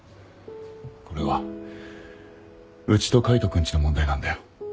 これはうちと海斗君ちの問題なんだよ。